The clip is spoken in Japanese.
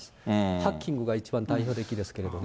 ハッキングが一番代表的ですけどね。